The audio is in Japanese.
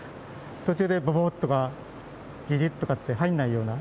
途中でボボッとかジジッとかって入んないような。